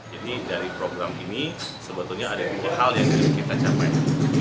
jadi dari program ini sebetulnya ada tiga hal yang kita capai